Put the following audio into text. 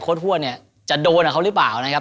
หัวเนี่ยจะโดนกับเขาหรือเปล่านะครับ